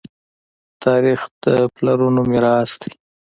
تاریخ د پلارونکو میراث دی.